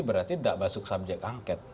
berarti tidak masuk subjek angket